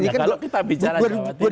ini kalau kita bicara jawa timur